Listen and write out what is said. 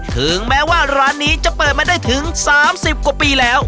ถึงแม้ว่าร้านนี้จะเปิดมาได้ถึง๓๐กว่าปีแล้ว